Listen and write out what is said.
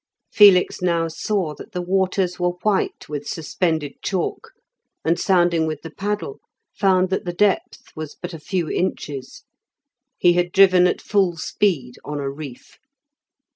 Felix now saw that the waters were white with suspended chalk, and sounding with the paddle, found that the depth was but a few inches. He had driven at full speed on a reef.